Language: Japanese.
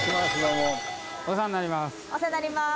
お世話になります。